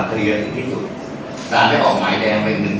สนับกระทั้งกระทั้งเขาจนพบหกวันจนพบสองเดือน